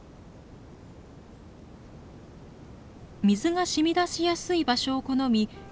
水がしみ出しやすい場所を好み